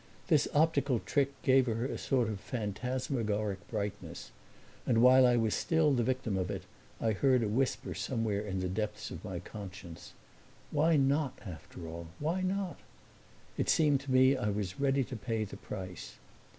This optical trick gave her a sort of phantasmagoric brightness, and while I was still the victim of it I heard a whisper somewhere in the depths of my conscience: "Why not, after all why not?" It seemed to me I was ready to pay the price.